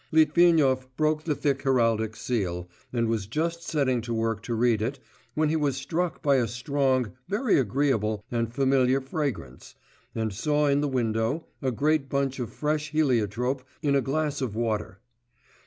Litvinov broke the thick heraldic seal, and was just setting to work to read it ... when he was struck by a strong, very agreeable, and familiar fragrance, and saw in the window a great bunch of fresh heliotrope in a glass of water.